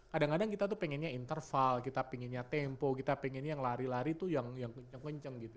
kadang kadang kita tuh pengennya interval kita pinginnya tempo kita pengennya yang lari lari tuh yang kenceng kenceng gitu